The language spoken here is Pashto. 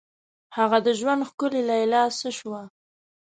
هغه د ژوند ښکلي لیلا څه شوه؟